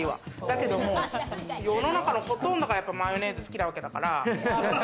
でも世の中のほとんどがマヨネーズ、好きなわけだから。